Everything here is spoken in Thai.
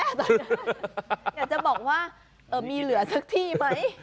อยากจะบอกว่ามีเหลือสักที่ไหม